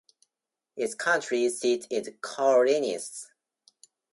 Its county seat is Corinth.